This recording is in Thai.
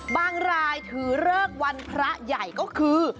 รายถือเลิกวันพระใหญ่ก็คือ